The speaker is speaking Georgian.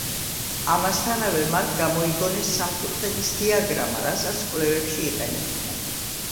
ამასთანავე, მათ გამოიგონეს სამკუთხედის დიაგრამა, რასაც კვლევებში იყენებდნენ.